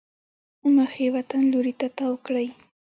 مخ یې وطن لوري ته تاو کړی.